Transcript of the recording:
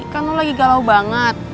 kan lo lagi galau banget